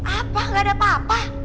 apa gak ada apa apa